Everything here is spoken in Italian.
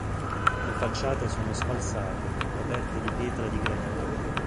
Le facciate sono sfalsate, coperte di pietra di granito.